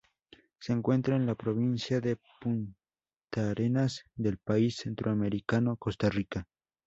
Se encuentra en la provincia de Puntarenas del país centroamericano Costa Rica.